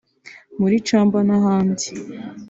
muri Tchamba n’ahandi